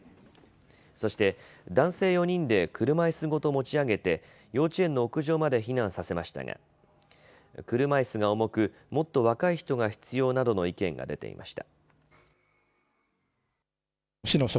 そして男性４人で車いすごと持ち上げて幼稚園の屋上まで避難させましたが車いすが重くもっと若い人が必要などの意見が出ていました。